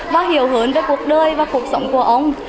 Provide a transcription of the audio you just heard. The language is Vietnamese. và hiểu hơn về cuộc đời và cuộc sống của ông